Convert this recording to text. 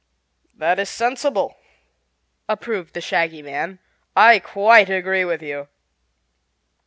"That is sensible," approved the Shaggy Man. "I quite agree with you."